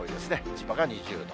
千葉が２０度。